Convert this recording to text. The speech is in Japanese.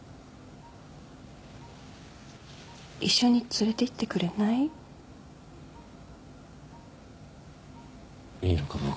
一緒に連れていってくれない？いいのか？